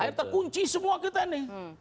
air terkunci semua kita nih